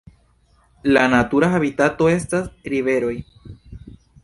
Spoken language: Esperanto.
La natura habitato estas riveroj.